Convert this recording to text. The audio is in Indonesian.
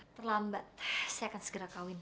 terlambat saya akan segera kawin